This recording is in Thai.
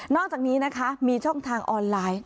อกจากนี้นะคะมีช่องทางออนไลน์